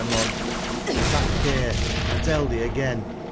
So tak' care, I tell thee agen.